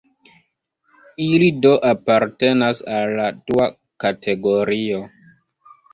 Ili do apartenas al la dua kategorio.